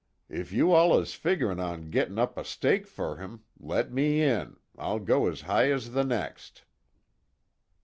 If you all is figgerin' on gettin' up a stake fer him, let me in I'll go as high as the next."